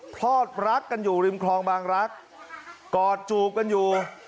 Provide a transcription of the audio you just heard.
พลอดรักกันอยู่ริมคลองบางรักกอดจูบกันอยู่